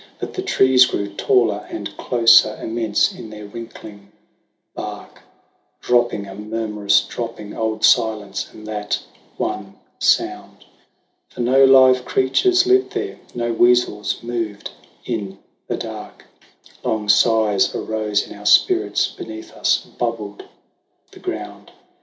But the trees grew taller and closer, immense in their wrinkling bark ; Dropping ; a murmurous dropping ; old silence and that one sound ; For no live creatures lived there, no weasels moved in the dark : Long sighs arose in our spirits, beneath us bubbled the ground.